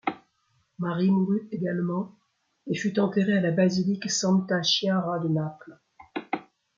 Marie mourut également et fut enterrée à la Basilique Santa Chiara de Naples.